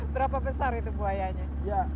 berapa besar itu buayanya